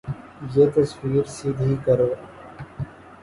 یہ تصویر سیدھی کرو